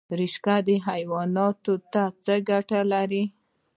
رشقه حیواناتو ته څه ګټه لري؟